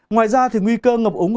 ngoài ra nguy cơ ngập ống